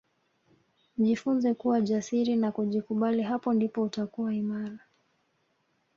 Jifunze kuwa jasiri na kujikubali hapo ndipo utakuwa imara